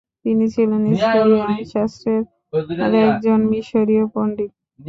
তিনি ছিলেন ইসলামী আইনশাস্ত্রের একজন মিশরীয় পণ্ডিত।